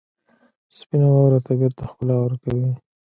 سپینه واوره طبیعت ته ښکلا ورکوي.